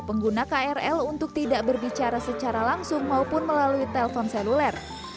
pengguna krl untuk tidak berbicara secara langsung maupun melalui telpon seluler